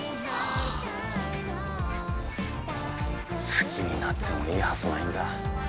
好きになってもいいはずないんだ。